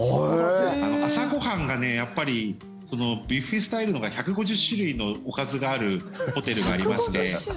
朝ご飯がやっぱりビュッフェスタイルのが１５０種類のおかずがあるホテルがありまして。